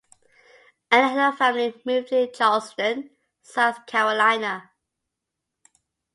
Anne and her family moved to Charleston, South Carolina.